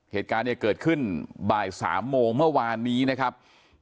เหตุการณ์เนี่ยเกิดขึ้นบ่าย๓โมงเมื่อวานนี้นะครับ